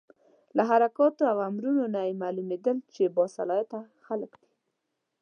له حرکاتو او امرونو نه یې معلومېدل چې با صلاحیته خلک دي.